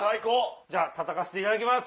じゃあたたかせていただきます。